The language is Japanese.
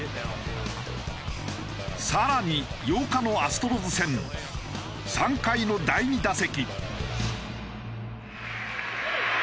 更に８日のアストロズ戦３回の第２打席。